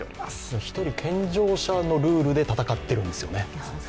１人、健常者のルールで戦えるんですよね。